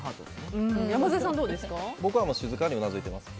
僕は静かにうなずいてます。